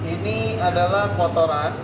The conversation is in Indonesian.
ini adalah kotoran